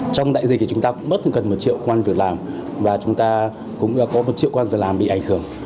trong đại dịch thì chúng ta cũng bất ngờ cần một triệu quan việc làm và chúng ta cũng có một triệu quan việc làm bị ảnh hưởng